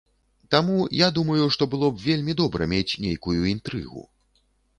Таму я думаю, што было б вельмі добра мець нейкую інтрыгу.